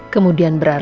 kemudian beraruh ke al